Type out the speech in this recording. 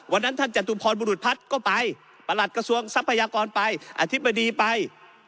วันนั้นท่านจตุพรบุรุษพัฒน์ก็ไปประหลัดกระทรวงทรัพยากรไปอธิบดีไป